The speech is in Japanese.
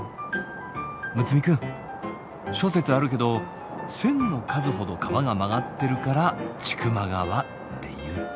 睦弥くん諸説あるけど千の数ほど川が曲がってるから千曲川っていうって。